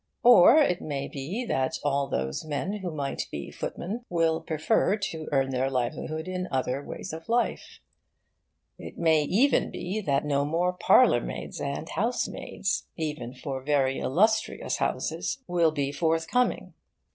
Or it may be that all those men who might be footmen will prefer to earn their livelihood in other ways of life. It may even be that no more parlourmaids and housemaids, even for very illustrious houses, will be forthcoming.